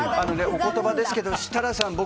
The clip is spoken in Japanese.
お言葉ですけど設楽さん